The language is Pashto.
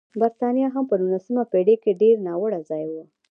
برېټانیا هم په نولسمه پېړۍ کې ډېر ناوړه ځای و.